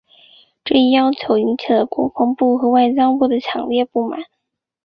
这一要求引起了国防部和外交部的强烈不满。